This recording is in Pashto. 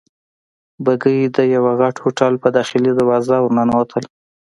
بګۍ د یوه غټ هوټل په داخلي دروازه ورننوتل.